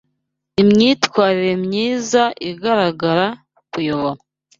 Imyitwarire myiza iragaragara; Kuyobora